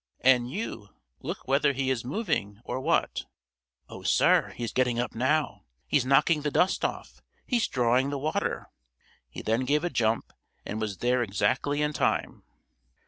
And you, look whether he is moving, or what." "Oh, sir, he's getting up now; he's knocking the dust off; he's drawing the water." He then gave a jump, and was there exactly in time.